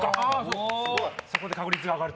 そこで確率が上がる。